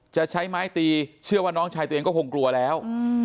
จะใช้ไม้ตีเชื่อว่าน้องชายตัวเองก็คงกลัวแล้ว